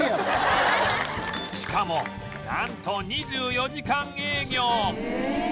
しかもなんと２４時間営業